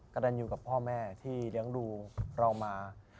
กระดันอยู่กับพ่อแม่ที่เลี้ยงดูเรามา